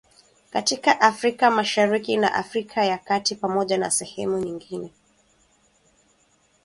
katika Afrika Mashariki na Afrika ya kati Pamoja na sehemu nyingine